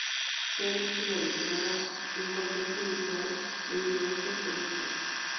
Se ha visto involucrada en control judicial de influencias políticas.